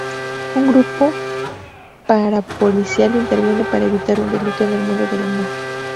Un grupo parapolicial interviene para evitar un delito en el mundo de la moda.